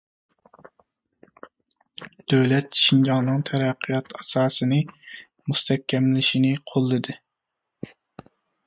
دۆلەت شىنجاڭنىڭ تەرەققىيات ئاساسىنى مۇستەھكەملىشىنى قوللىدى.